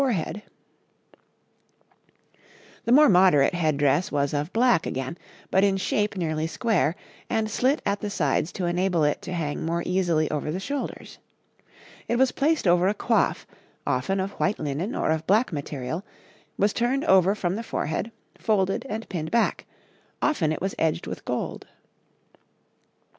[Illustration: {Seven head dresses for women; side and front view of a shoe}] The more moderate head dress was of black again, but in shape nearly square, and slit at the sides to enable it to hang more easily over the shoulders. It was placed over a coif, often of white linen or of black material, was turned over from the forehead, folded, and pinned back; often it was edged with gold.